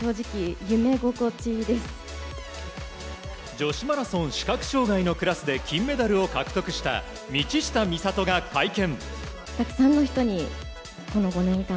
女子マラソン視覚障害のクラスで金メダルを獲得した道下美里が会見。